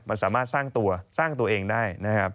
มันสามารถสร้างตัวสร้างตัวเองได้นะครับ